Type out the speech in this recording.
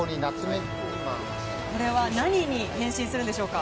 これは何に変身するんでしょうか。